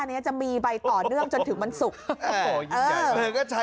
รู้จักจะมีไปต่อเนื่องจนถือมันศุกร์